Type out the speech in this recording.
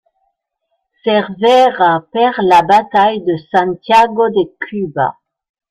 Cervera perd la bataille de Santiago de Cuba.